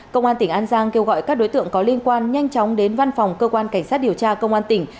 công an tỉnh an giang kêu gọi các đối tượng có liên quan nhanh chóng đến văn phòng cơ quan cảnh sát điều tra công an tỉnh